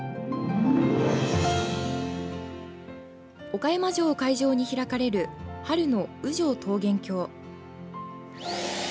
岡山城を会場に開かれる春の烏城灯源郷。